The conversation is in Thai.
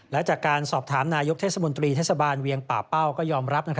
และจากการสอบถามนายกเทศมนตรีเทศบาลเวียงป่าเป้าก็ยอมรับ